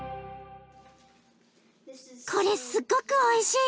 これすごくおいしい！